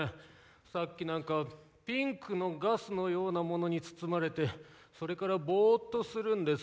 さっきなんかピンクのガスのようなものに包まれてそれからボーっとするんです。